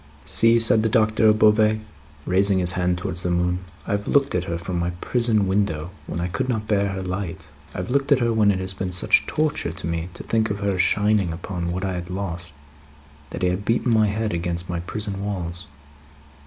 "See!" said the Doctor of Beauvais, raising his hand towards the moon. "I have looked at her from my prison window, when I could not bear her light. I have looked at her when it has been such torture to me to think of her shining upon what I had lost, that I have beaten my head against my prison walls.